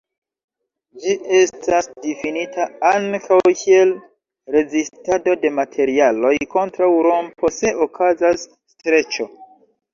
Ĝi estas difinita ankaŭ kiel rezistado de materialoj kontraŭ rompo se okazas streĉo.